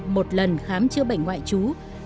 một lần khám chữa bệnh ngoại trú